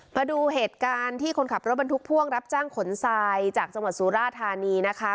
มาดูเหตุการณ์ที่คนขับรถบรรทุกพ่วงรับจ้างขนทรายจากจังหวัดสุราธานีนะคะ